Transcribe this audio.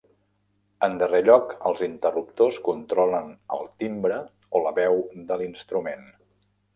En darrer lloc, els interruptors controlen el timbre o la veu de l'instrument.